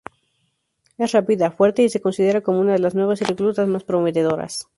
Es rápida, fuerte y se considera como una de las nuevas reclutas más prometedoras.